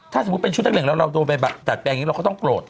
ถ้าสมมุติเป็นชุดใคร่เหล่างเรากดแบบอัดแปลงก็ต้องโกรธ